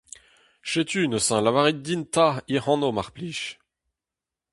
Setu neuze lavarit din 'ta hec'h anv, mar plij.